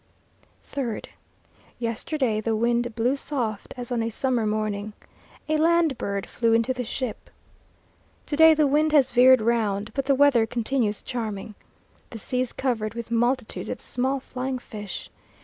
3rd. Yesterday the wind blew soft as on a summer morning. A land bird flew into the ship. To day the wind has veered round, but the weather continues charming. The sea is covered with multitudes of small flying fish.